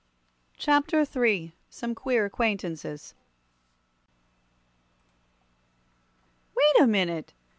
Chapter III Some Queer Acquaintances "WAIT a minute!"